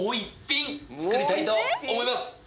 作りたいと思います。